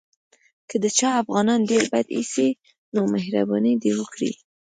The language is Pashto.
که د چا افغانان ډېر بد ایسي نو مهرباني دې وکړي.